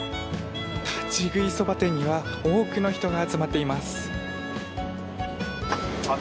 立ち食いそば店には多くの人が集まっています。